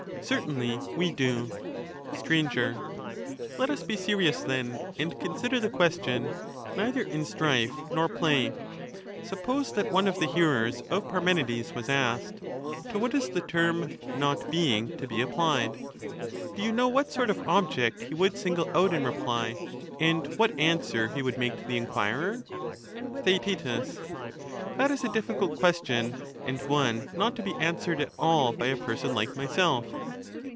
Certainly we do. Str. Let us be serious then, and consider the question Let us ask: neither in strife nor play: suppose that one of the hearers of ^.]|[^^ Parmenides was asked, 'To what is the term " not being '*i predicabie? to be applied ?'— do you know what sort of object he would single out in. reply, and what answer he would make to the enquirer ? Theaet. That is a difficult question, and one not to be answered at all by a person like myself.